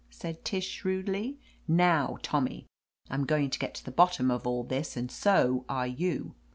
said Tish shrewdly. "Now, Tommy, I'm going to get to the bottom of all this, and so are you.